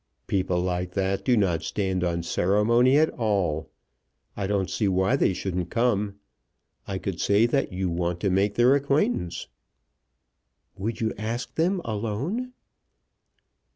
"People like that do not stand on ceremony at all. I don't see why they shouldn't come. I could say that you want to make their acquaintance." "Would you ask them alone?"